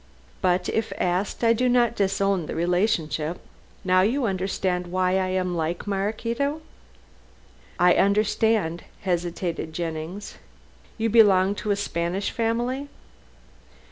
But, if asked, I do not disown the relationship. Now you understand why I am like Maraquito." "I understand," hesitated Jennings, "you belong to a Spanish family?"